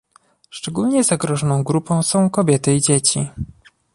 Szczególnie zagrożoną grupą są kobiety i dzieci